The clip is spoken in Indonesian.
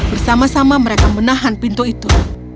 bersama sama mereka menahan pintu itu